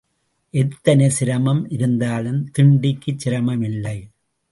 எத்தனை சிரமம் இருந்தாலும் திண்டிக்குச் சிரமம் இல்லை.